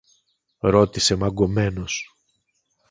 ρώτησε μαγκωμένος.